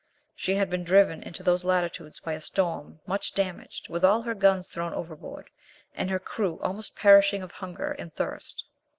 She had been driven into those latitudes by a storm, much damaged, with all her guns thrown overboard, and her crew almost perishing of hunger and thirst.